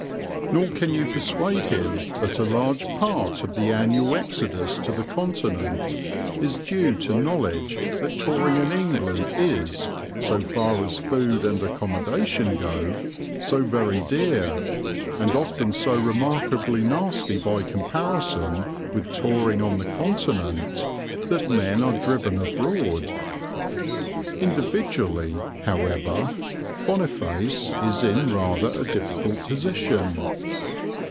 Nor can you persuade him that a large part of the annual exodus to the Continent is due to knowledge that touring in England is, so far as food and accommodation go, so very dear, and often so remarkably nasty by comparison with touring on the Continent that men are driven abroad. Individually, however, Boniface is in rather a difficult position.